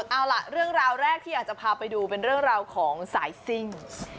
เอาล่ะเรื่องราวแรกที่อยากจะพาไปดูเป็นเรื่องราวของสายซิ่ง